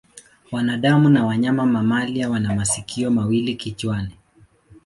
Wanadamu na wanyama mamalia wana masikio mawili kichwani.